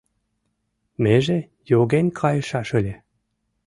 Меже йоген кайышаш ыле.